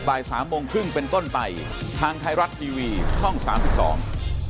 บ่ายสามโมงครึ่งเป็นต้นไปทางไทยรัฐทีวีช่องสามสิบสอง